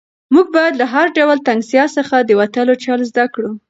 موږ باید له هر ډول تنګسیا څخه د وتلو چل زده کړو.